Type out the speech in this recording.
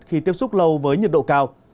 khi tiếp xúc lâu với nhiệt độ cao